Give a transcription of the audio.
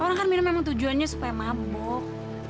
orang kan minum memang tujuannya supaya mabok